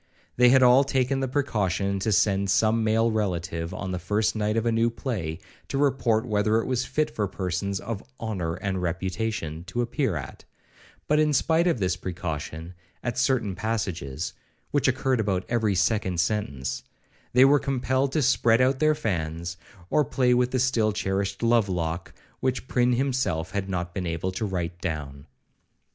They had all taken the precaution to send some male relative, on the first night of a new play, to report whether it was fit for persons of 'honour and reputation' to appear at; but in spite of this precaution, at certain passages (which occurred about every second sentence) they were compelled to spread out their fans, or play with the still cherished love lock, which Prynne himself had not been able to write down.